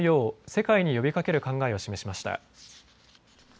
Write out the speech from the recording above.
世界に呼びかける考えを示しました。